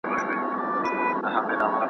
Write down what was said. د لېوه داړو ته ځان مي وو سپارلی .